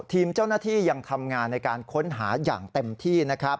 ทีมเจ้าหน้าที่ยังทำงานในการค้นหาอย่างเต็มที่นะครับ